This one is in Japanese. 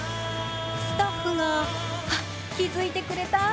スタッフが気づいてくれた。